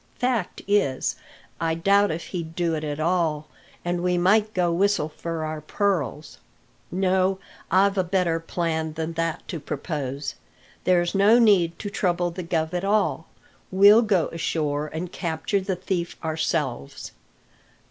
Fact is, I doubt if he'd do it at all, and we might go whistle for our pearls. No, I've a better plan than that to propose. There's no need to trouble the guv at all; we'll go ashore and capture the thief ourselves."